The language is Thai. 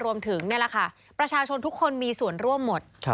นี่แหละค่ะประชาชนทุกคนมีส่วนร่วมหมด